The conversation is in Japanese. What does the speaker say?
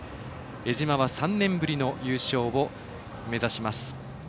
江島は３年ぶりの優勝を目指します。